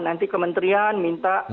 nanti kementerian minta